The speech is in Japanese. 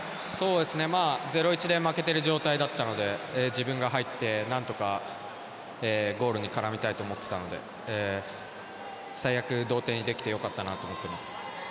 ０−１で負けている状態だったので自分が入って、何とかゴールに絡みたいと思ってたので同点にできてよかったと思ってます。